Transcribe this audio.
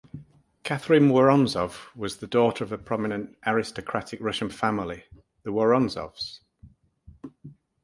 Catherine Woronzow was the daughter of a prominent aristocratic Russian family, the Woronzows.